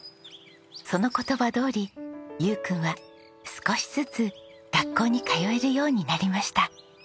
その言葉どおり悠君は少しずつ学校に通えるようになりました。